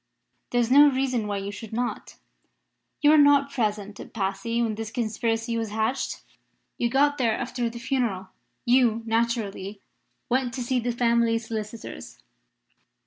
There is no reason why you should not. You were not present at Passy when this conspiracy was hatched; you got there after the funeral. You, naturally, went to see the family solicitors.